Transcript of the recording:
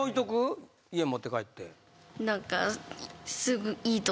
家持って帰って。